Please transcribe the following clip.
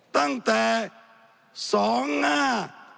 ตั้งแต่สองง่า